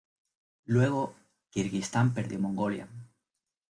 Luego Kirguistán perdió Mongolia.